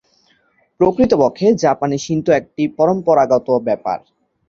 প্রকৃতপক্ষে, জাপানে শিন্তো একটি পরম্পরাগত ব্যাপার।